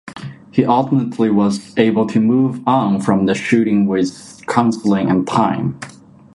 He ultimately was able to move on from the shooting with counseling and time.